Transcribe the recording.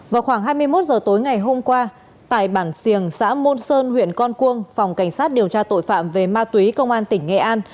vào khoảng hai mươi một h tối ngày hôm qua tại bản siềng xã môn sơn huyện con cuông phòng cảnh sát điều tra tội phạm về ma túy công an tỉnh nghệ an